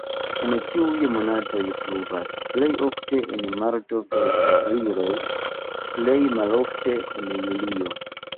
En ĉiuj monatoj pluvas, plej ofte en marto kaj aprilo, plej malofte en julio.